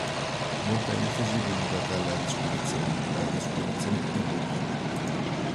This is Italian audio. Molta enfasi viene data alla respirazione: la respirazione ibuki.